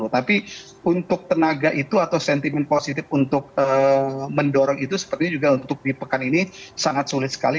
tapi untuk tenaga itu atau sentimen positif untuk mendorong itu sepertinya juga untuk di pekan ini sangat sulit sekali